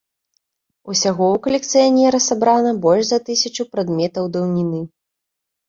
Усяго ў калекцыянера сабрана больш за тысячу прадметаў даўніны.